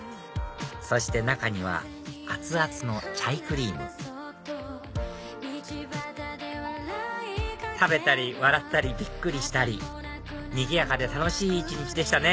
そして中には熱々のチャイクリーム食べたり笑ったりびっくりしたりにぎやかで楽しい１日でしたね